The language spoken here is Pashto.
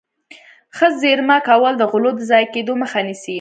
ښه زيرمه کول د غلو د ضايع کېدو مخه نيسي.